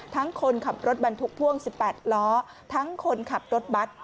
คนขับรถบรรทุกพ่วง๑๘ล้อทั้งคนขับรถบัตร